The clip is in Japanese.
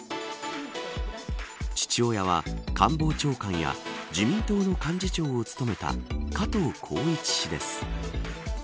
父親は官房長官や自民党の幹事長を務めた加藤紘一氏です。